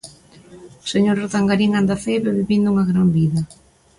O señor Urdangarín anda ceibo e vivindo unha gran vida.